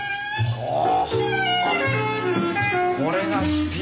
はあ。